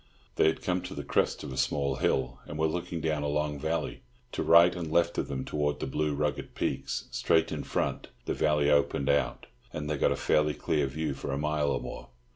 They had come to the crest of a small hill, and were looking down a long valley. To right and left of them towered the blue, rugged peaks; straight in front the valley opened out, and they got a fairly clear view for a mile or more.